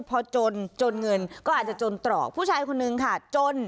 พอจนจนเงินก็อาจจะจนตรอกผู้ชายคนนึงค่ะจน